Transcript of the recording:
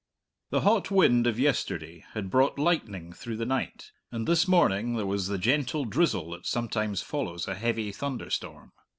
The hot wind of yesterday had brought lightning through the night, and this morning there was the gentle drizzle that sometimes follows a heavy thunderstorm.